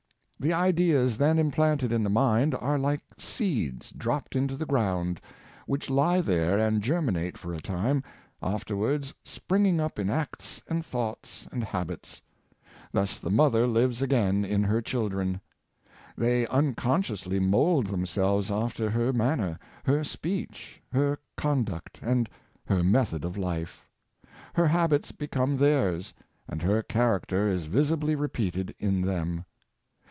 The ideas then implanted in the mind are like seeds dropped into the ground, which lie there and germinate for a time, afterwards springing up in acts and thoughts and habits. Thus the mother lives again in her children. They unconsciously mould themselves after her man ner, her speech, her conduct, and her method of life. Her habits become theirs; and her character is visibly repeated in them.